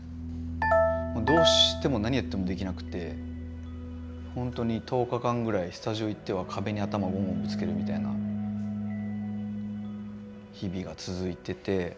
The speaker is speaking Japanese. どうしても何やってもできなくてほんとに１０日間ぐらいスタジオ行っては壁に頭ゴンゴンぶつけるみたいな日々が続いてて。